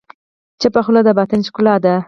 چپه خوله، د باطن ښکلا ده.